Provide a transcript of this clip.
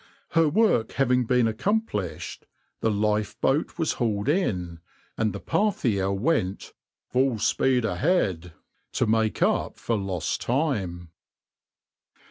Her work having been accomplished, the lifeboat was hauled in, and the {\itshape{Parthia}} went "full speed ahead," to make up for lost time.